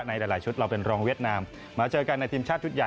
ในหลายชุดเราเป็นรองเวียดนามมาเจอกันในทีมชาติชุดใหญ่